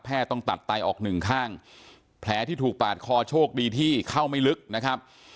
ต้องตัดไตออกหนึ่งข้างแผลที่ถูกปาดคอโชคดีที่เข้าไม่ลึกนะครับ